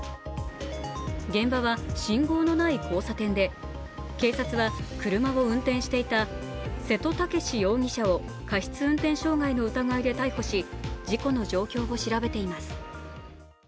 現場は信号のない交差点で、警察は車を運転していた瀬戸健史容疑者を過失運転傷害の疑いで逮捕し事故の状況を調べています。